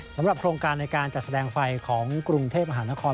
สำหรับโครงการในการจัดแสดงไฟของกรุงเทพมหานคร